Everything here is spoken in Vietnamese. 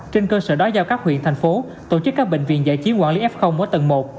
trên cơ sở đó giao các huyện thành phố tổ chức các bệnh viện giải chiến quản lý f ở tầng một